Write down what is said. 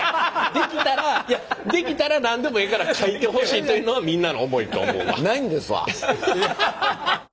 できたらできたら何でもええから書いてほしいというのがみんなの思いと思うわ。